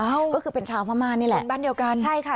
ก็คือเป็นชาวพม่านี่แหละบ้านเดียวกันใช่ค่ะ